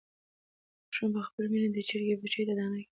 ماشوم په خپله مینه د چرګې بچیو ته دانه کېښوده.